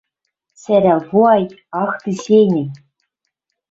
«Сӓрӓл пуай! «Ах ты, сеним!» —